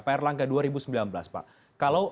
pak r langga dua ribu sembilan belas pak kalau